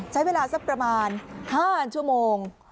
ใช้เวลาสักประมาณ๕ชั่วโมง